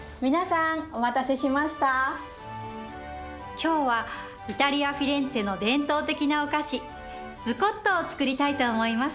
今日はイタリア・フィレンツェの伝統的なお菓子ズコットを作りたいと思います。